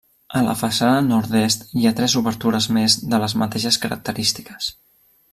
A la façana nord-est hi ha tres obertures més de les mateixes característiques.